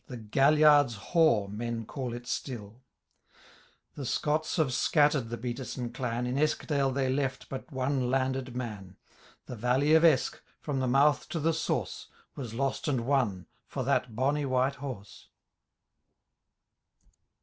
The Galliard^s Haugh men call it stilL The Scotts have scattered the Beattison clan. In Eskdale they left but one landed man. The valley of Eske, from the mouth to tlie Bource, Was lost and won for that bonny white horse.